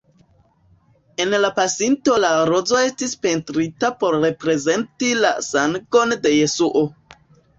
En la pasinteco la rozo estis pentrita por reprezenti la sangon de Jesuo.